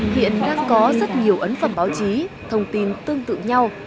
hiện đang có rất nhiều ấn phẩm báo chí thông tin tương tự nhau